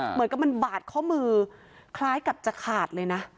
เหมือนกับมันบาดข้อมือคล้ายกับจะขาดเลยนะ